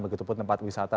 begitu pun tempat wisata